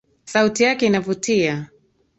Sauti yake inavutia